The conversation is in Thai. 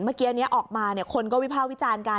เมื่อกี้นี้ออกมาคนก็วิภาควิจารณ์กัน